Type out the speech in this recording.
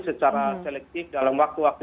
secara selektif dalam waktu waktu